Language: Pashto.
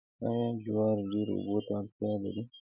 آیا جوار ډیرو اوبو ته اړتیا لري؟